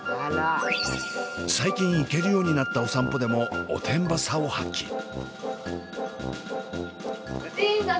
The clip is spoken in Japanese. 最近行けるようになったお散歩でもおてんばさを発揮。